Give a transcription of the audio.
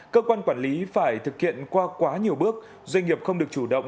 cơ quan quản lý phải thực hiện qua quá nhiều bước doanh nghiệp không được chủ động